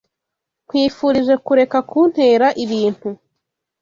Nkwifurije kureka kuntera ibintu.